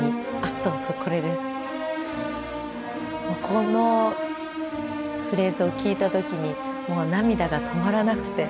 このフレーズを聴いた時にもう涙が止まらなくて。